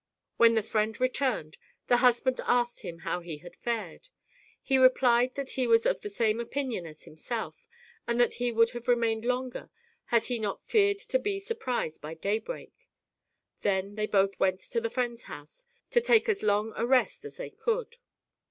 When the friend returned, the husband asked him how he had fared. He replied that he was of the same opinion as himself, and that he would have remained longer had he not feared to be surprised by daybreak. Then they both went to the friend's house to take as long a rest as they could.